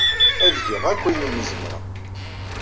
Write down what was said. Ad geɣ akk ayen umi zemreɣ.